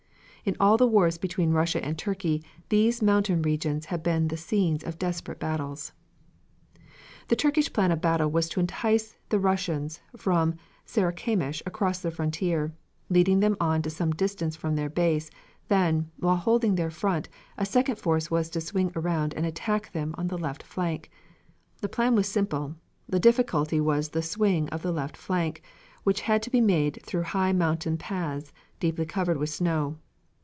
In all the wars between Russia and Turkey, these mountain regions have been the scenes of desperate battles. The Turkish plan of battle was to entice the Russians from Sarakamish across the frontier, leading them on to some distance from their base, then, while holding their front, a second force was to swing around and attack them on the left flank. The plan was simple, the difficulty was the swing of the left flank, which had to be made through mountain paths, deeply covered with snow.